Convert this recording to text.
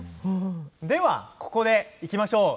ではここで、いきましょう。